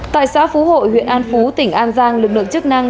tại xã phú hội huyện an phú tỉnh an giang lực lượng chức năng